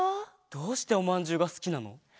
どうしておまんじゅうがすきなの？